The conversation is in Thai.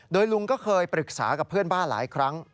โดยลุงก็เคยปรึกษากับเพื่อนบ้านหลายครั้ง